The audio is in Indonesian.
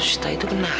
sita itu kenapa